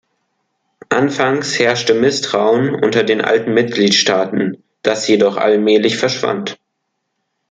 Anfangs herrschte Misstrauen unter den alten Mitgliedstaaten, das jedoch allmählich verschwand.